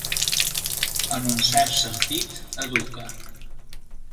En un cert sentit, educa.